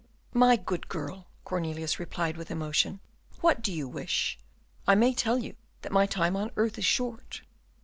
"My good girl," Cornelius replied with emotion, "what do you wish? I may tell you that my time on earth is short."